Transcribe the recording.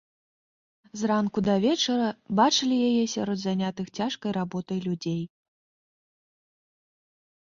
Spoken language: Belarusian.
З ранку да вечара бачылі яе сярод занятых цяжкай работай людзей.